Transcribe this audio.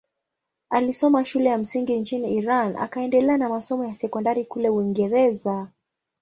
Alisoma shule ya msingi nchini Iran akaendelea na masomo ya sekondari kule Uingereza.